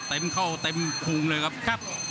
เต็มเข้าเต็มภูมิเลยครับ